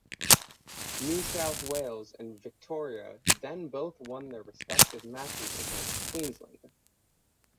New South Wales and Victoria then both won their respective matches against Queensland.